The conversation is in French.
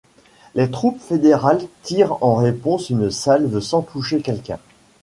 Les troupes fédérales tirent en réponse une salve sans toucher quelqu'un.